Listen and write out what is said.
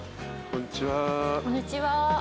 こんにちは。